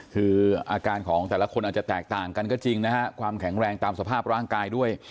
คืออาการของแต่ละคนอาจจะแตกต่างกันก็จริงนะฮะความแข็งแรงตามสภาพร่างกายด้วย